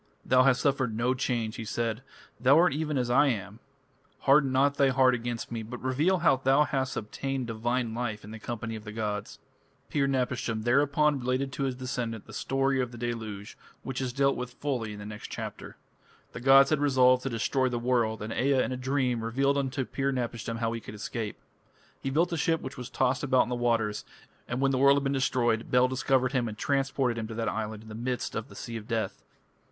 "Thou hast suffered no change," he said, "thou art even as I am. Harden not thy heart against me, but reveal how thou hast obtained divine life in the company of the gods." Pir napishtim thereupon related to his descendant the story of the deluge, which is dealt with fully in the next chapter. The gods had resolved to destroy the world, and Ea in a dream revealed unto Pir napishtim how he could escape. He built a ship which was tossed about on the waters, and when the world had been destroyed, Bel discovered him and transported him to that island in the midst of the Sea of Death.